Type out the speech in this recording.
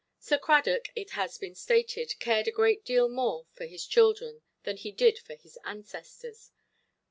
Sir Cradock, it has been stated, cared a great deal more for his children than he did for his ancestors.